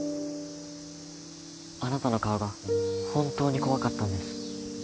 あなたの顔が本当に怖かったんです。